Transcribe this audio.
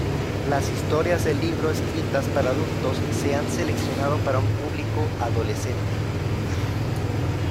Las historias del libro, escritas para adultos, se han seleccionado para un público adolescente.